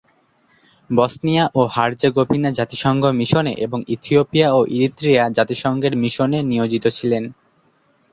Bosnia ও Herzegovina জাতিসংঘ মিশনে এবং ইথিওপিয়া ও ইরিত্রিয়া জাতিসংঘের মিশনে নিয়োজিত ছিলেন।